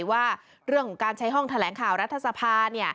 ว่าเรื่องของการใช้ห้องแถลงข่าวรัฐสภา